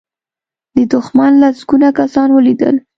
د دښمن لسګونه کسان ولوېدل.